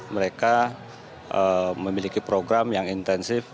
mereka memiliki program yang intensif